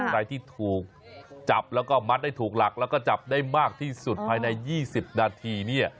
ใครที่ถูกจับแล้วก็มัดได้ถูกหลักแล้วก็จับได้มากที่สุดภายใน๒๐นาทีเนี่ย